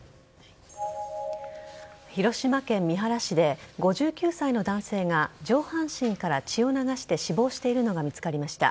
広島県三原市で５９歳の男性が上半身から血を流して死亡しているのが見つかりました。